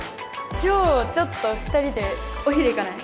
今日ちょっと２人でお昼行かない？